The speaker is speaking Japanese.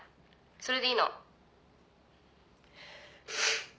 それでいいの？